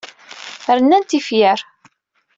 Rnan tifyar.